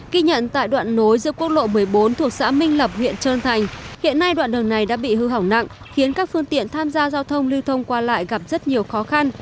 ký nhận tại đoạn nối giữa quốc lộ một mươi bốn thuộc xã minh lập huyện trơn thành hiện nay đoạn đường này đã bị hư hỏng nặng khiến các phương tiện tham gia giao thông lưu thông qua lại gặp rất nhiều khó khăn